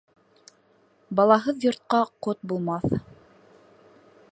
Балаһыҙ йортҡа ҡот булмаҫ.